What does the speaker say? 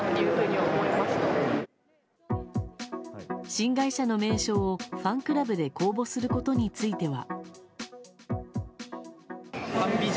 新会社の名称をファンクラブで公募することについては。